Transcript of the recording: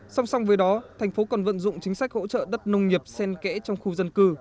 song song với đó thành phố còn vận dụng chính sách hỗ trợ đất nông nghiệp sen kẽ trong khu dân cư